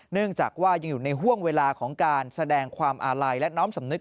เนื่องจากว่ายังอยู่ในห่วงเวลาของการแสดงความอาลัยและน้อมสำนึก